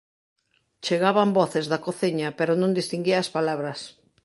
Chegaban voces da cociña pero non distinguía as palabras.